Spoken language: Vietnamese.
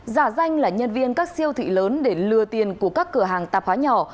giả danh là nhân viên các siêu thị lớn để lừa tiền của các cửa hàng tạp hóa nhỏ